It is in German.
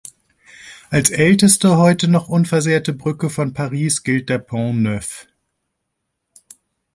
Als älteste, heute noch unversehrte Brücke von Paris, gilt der Pont Neuf.